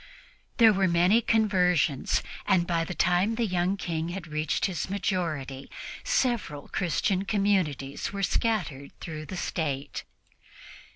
There were many conversions, and by the time the young King had reached his majority, several Christian communities were scattered throughout the State.